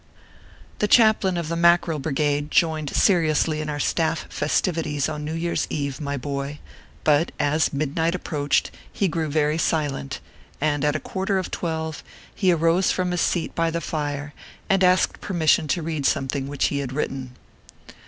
The chaplain of the Mackerel Brigade joined seri ously in our staff festivities on New Year s eve, my boy ; but as midnight approached he grew very silent, ORPHEUS C. KERB PAPERS. 165 and at a quarter of twelve he arose from his seat by the fire and asked permission to read something which he had written.